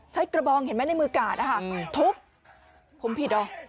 ใช้กระบองเห็นไหมในมือกาดอ่าฮืมถูกผมผิดเหรอ